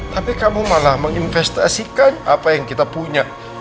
tapi kamu malah menginvestasikan apa yang kita punya